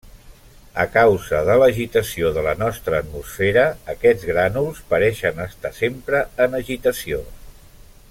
A causa de l'agitació de la nostra atmosfera, aquests grànuls pareixen estar sempre en agitació.